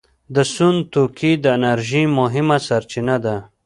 د سون توکي د انرژۍ مهمه سرچینه ده.